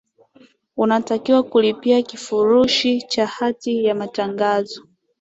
unatakiwa kulipia kifurushi cha hati ya matangazo